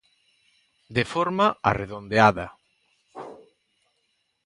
De forma arredondeada